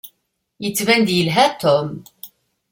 Yettban-d yelha Tom.